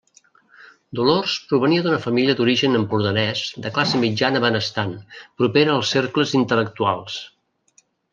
Dolors provenia d'una família d'origen empordanès de classe mitjana benestant, propera als cercles intel·lectuals.